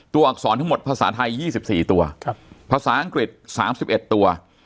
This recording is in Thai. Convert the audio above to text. อักษรทั้งหมดภาษาไทย๒๔ตัวภาษาอังกฤษ๓๑ตัว